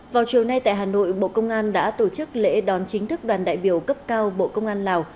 vào chiều nay tại hà nội bộ công an đã tổ chức lễ đón chính thức đoàn đại biểu cấp cao bộ công an lào